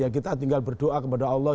kita tinggal berdoa kepada allah